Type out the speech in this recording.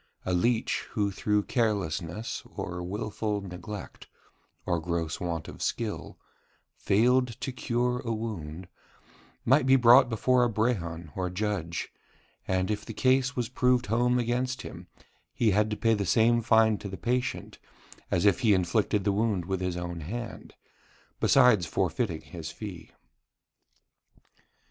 A leech who through carelessness, or wilful neglect, or gross want of skill, failed to cure a wound, might be brought before a brehon or judge, and if the case was proved home against him, he had to pay the same fine to the patient as if he had inflicted the wound with his own hand, besides forfeiting his fee.